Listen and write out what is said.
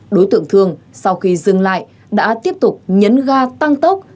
đối tượng thường sau khi dừng lại đã tiếp tục nhấn ga tăng tốc